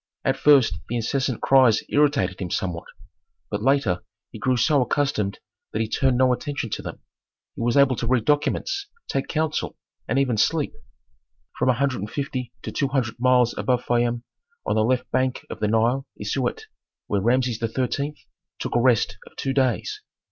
At first the incessant cries irritated him somewhat, but later he grew so accustomed that he turned no attention to them. He was able to read documents, take counsel, and even sleep. From a hundred and fifty to two hundred miles above Fayum on the left bank of the Nile is Siut, where Rameses XIII. took a rest of two days.